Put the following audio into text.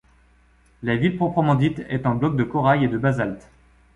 La ville proprement dite est en blocs de corail et de basalte.